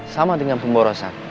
sama dengan pemborosan